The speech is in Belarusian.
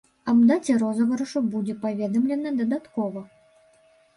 Аб даце розыгрышу будзе паведамлена дадаткова.